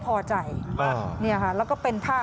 พูดว่าคนอีกก็เห็นเม่าหรือเปล่า